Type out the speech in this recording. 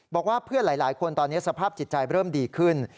บอกว่าเพื่อนหลายคนตอนนี้สภาพจิตใจเริ่มดีขึ้น